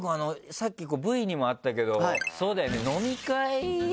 さっきＶＴＲにもあったけどそうだよね飲み会。